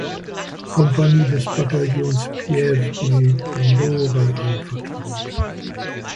Kompanie des Bataillons "Pieve di Cadore" anvertraut.